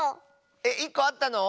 えっ１こあったの？